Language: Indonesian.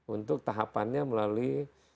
untuk tahapannya melalui